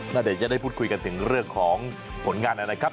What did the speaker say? น่าจะได้พูดคุยกันถึงเรื่องของผลงานนั้นนะครับ